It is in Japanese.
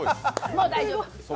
もう大丈夫。